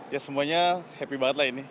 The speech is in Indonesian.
ya semuanya happy banget lah ini